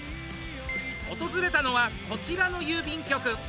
訪れたのは、こちらの郵便局。